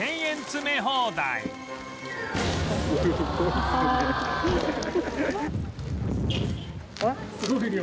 すごい量。